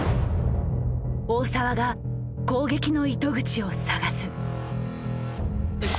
大澤が攻撃の糸口を探す。